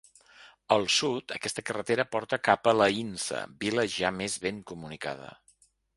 Al sud, aquesta carretera porta cap a l'Aïnsa, vila ja més ben comunicada.